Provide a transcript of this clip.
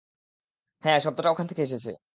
হ্যাঁ, শব্দটা ওখান থেকে এসেছে।